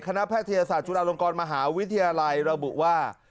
แพทยศาสตร์จุฬาลงกรมหาวิทยาลัยระบุว่า